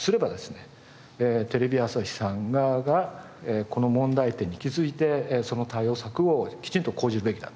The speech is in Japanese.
テレビ朝日さん側がこの問題点に気づいてその対応策をきちんと講じるべきだったと。